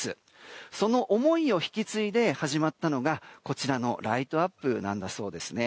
その思いを引き継いで始まったのがこちらのライトアップだそうです。